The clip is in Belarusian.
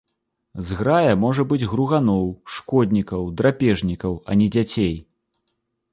Зграя можа быць груганоў, шкоднікаў, драпежнікаў, а не дзяцей.